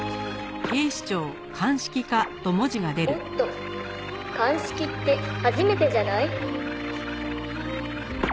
「おっと鑑識って初めてじゃない？」